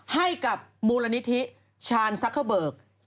ให้กับมูลนิธิชาญซักเกอร์เบิก